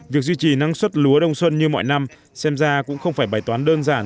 việc duy trì năng suất lúa đông xuân như mọi năm xem ra cũng không phải bài toán đơn giản